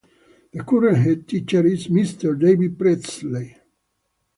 The current head teacher is Mr David Priestley.